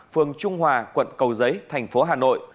phường trung hòa quận cầu giấy thành phố hà nội